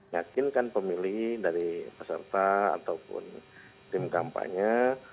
yakinkan pemilih dari peserta ataupun tim kampanye